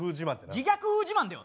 自虐風自慢だよ！